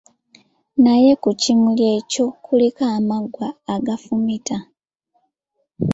Naye ku kimuli ekyo kuliko amaggwa agafumita.